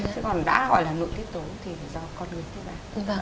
thế còn đã gọi là nội tiết tấu thì phải do con người tiết da